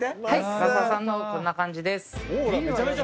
唐沢さんのはこんな感じです。